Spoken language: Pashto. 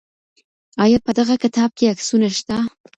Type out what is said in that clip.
آیا په دغه کتاب کي عکسونه شته؟